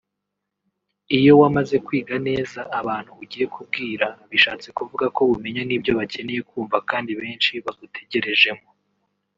Iyo wamaze kwiga neza abantu ugiye kubwira bishatse kuvuga ko umenya n’ibyo bakeneye kumva kandi benshi bagutegerejemo